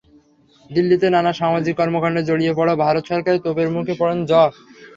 দিল্লিতে নানা সামাজিক কর্মকাণ্ডে জড়িয়ে পড়ায় ভারত সরকারের তোপের মুখে পড়েন জঁ।